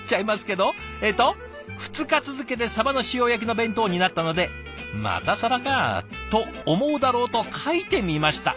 えっと「２日続けてさばの塩焼きの弁当になったので『またさばか』と思うだろうと書いてみました」。